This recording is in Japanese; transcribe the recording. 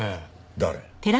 誰？